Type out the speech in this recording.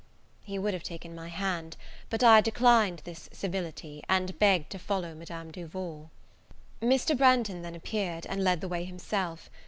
He would have taken my hand; but I declined this civility, and begged to follow Madame Duval. Mr. Branghton then appeared, and led the way himself.